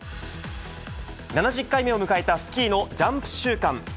７０回目を迎えたスキーのジャンプ週間。